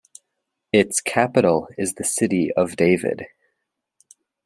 Its capital is the city of David.